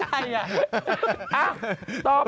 หนูไม่เข้าใจ